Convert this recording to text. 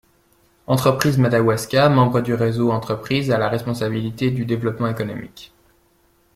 Entreprise Madawaska, membre du Réseau Entreprise, a la responsabilité du développement économique.